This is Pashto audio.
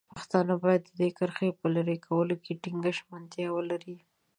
پښتانه باید د دې کرښې په لرې کولو کې ټینګه ژمنتیا ولري.